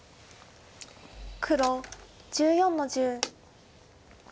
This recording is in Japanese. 黒１４の十。